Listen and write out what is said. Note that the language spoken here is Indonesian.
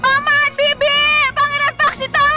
paman bibir pangeran vaksin tolong